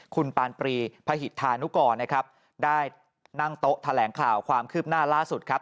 คุณปานปรีพหิตธานุกรนะครับได้นั่งโต๊ะแถลงข่าวความคืบหน้าล่าสุดครับ